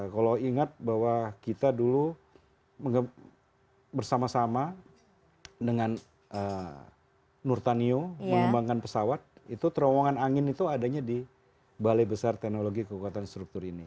kalau ingat bahwa kita dulu bersama sama dengan nurtanio mengembangkan pesawat itu terowongan angin itu adanya di balai besar teknologi kekuatan struktur ini